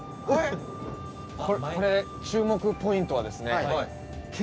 これ注目ポイントはですね青？